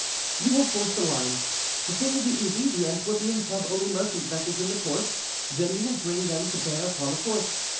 "You will force the line; the thing will be easy, the Antwerpians have only merchant vessels in the port; then you will bring them to bear upon the fort.